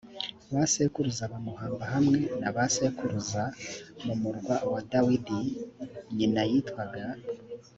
ba sekuruza bamuhamba hamwe na ba sekuruza mu murwa wa dawidi c nyina yitwaga